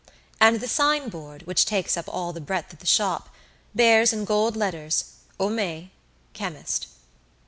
And the signboard, which takes up all the breadth of the shop, bears in gold letters, "Homais, Chemist."